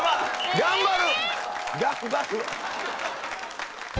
頑張る！